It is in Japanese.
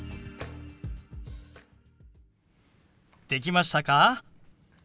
できましたか？